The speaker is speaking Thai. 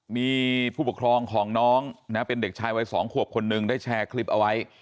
มีผู้ปกครองของน้องนะเป็นเด็กชายวัย๒ขวบคนหนึ่งได้แชร์คลิปเอาไว้